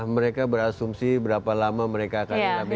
mereka berasumsi berapa lama mereka akan mengambil